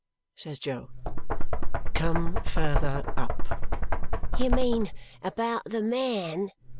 says Jo. "Come farther up." "You mean about the man?"